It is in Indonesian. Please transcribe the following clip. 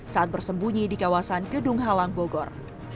saat bersembunyi di kawasan gedung halang bogor